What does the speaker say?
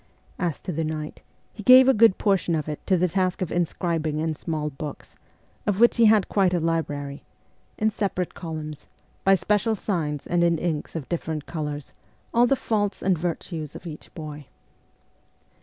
As to the night, he gave a good portion of it to the task of inscribing in small books of which he had quite a library in separate columns, by special signs and in inks of differ ent colours, all the faults and virtues of each boy.